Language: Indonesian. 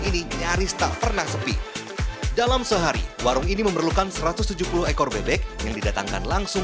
ini nyaris tak pernah sepi dalam sehari warung ini memerlukan satu ratus tujuh puluh ekor bebek yang didatangkan langsung